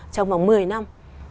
trong vòng một mươi năm